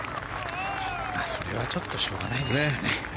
それはちょっとしょうがないですよね。